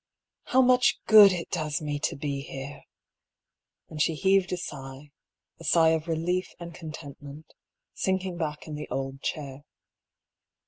" How much good it does me to be here !" and she heaved a sigh, a sigh of relief and contentment, sinking back in the old chair.